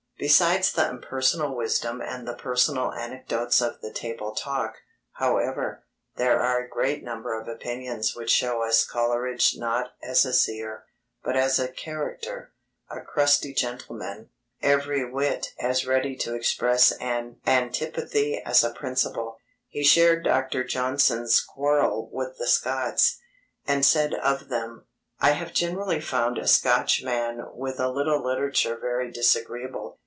Besides the impersonal wisdom and the personal anecdotes of the Table Talk, however, there are a great number of opinions which show us Coleridge not as a seer, but as a "character" a crusty gentleman, every whit as ready to express an antipathy as a principle. He shared Dr. Johnson's quarrel with the Scots, and said of them: I have generally found a Scotchman with a little literature very disagreeable.